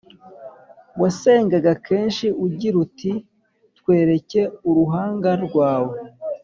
wasengaga kenshi ugirauti: “twereke uruhanga rwawe